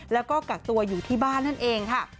แล้วก็กักตัวอยู่ที่บ้านนั่นเองค่ะ